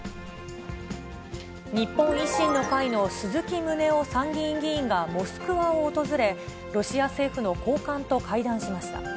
日本維新の会の鈴木宗男参議院議員がモスクワを訪れ、ロシア政府の高官と会談しました。